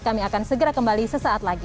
kami akan segera kembali sesaat lagi